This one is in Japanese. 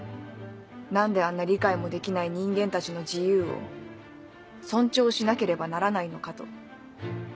「何であんな理解もできない人間たちの自由を尊重しなければならないのか」と。